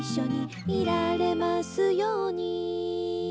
「いられますように」